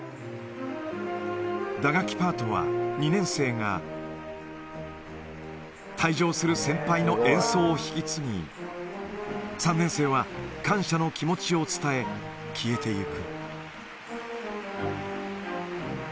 打楽器パートは２年生が、退場する先輩の演奏を引き継ぎ、３年生は感謝の気持ちを伝え、消えていく。